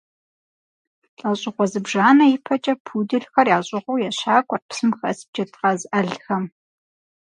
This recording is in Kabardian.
Лӏэщӏыгъуэ зыбжанэ ипэкӏэ пуделхэр ящӏыгъуу ещакӏуэрт псым хэс джэдкъаз ӏэлхэм.